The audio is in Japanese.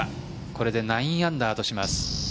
これで９アンダーとします。